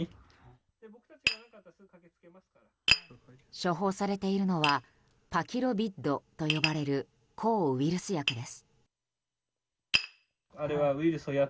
処方されているのはパキロビッドと呼ばれる抗ウイルス薬です。